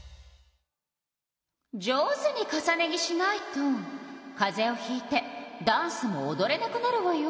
上手に重ね着しないとかぜをひいてダンスもおどれなくなるわよ。